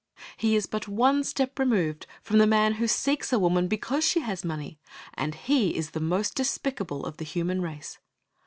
He is but one step removed from the man who seeks a woman because she has money. And he is the most despicable of the human race.